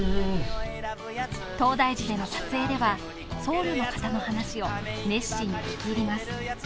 東大寺での撮影では僧侶の方の話を熱心に聞き入ります。